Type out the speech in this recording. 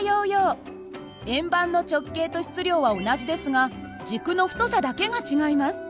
円盤の直径と質量は同じですが軸の太さだけが違います。